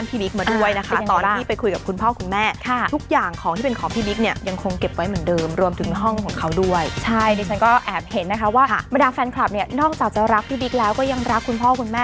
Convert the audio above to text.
เพราะตุกเคยมีโอกาศไปที่บ้านผู้ชมที่บรรดาแฟนคลับมาด้วยนะคะ